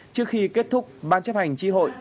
trước khi kết thúc ban chấp hành chi hội